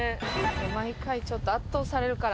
毎回ちょっと圧倒されるからな。